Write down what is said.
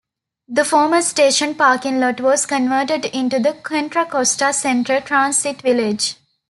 The former station parking lot was converted into the Contra Costa Centre transit village.